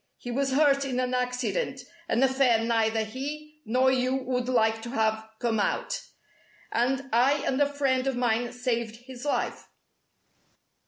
He was hurt in an accident an affair neither he nor you would like to have come out and I and a friend of mine saved his life.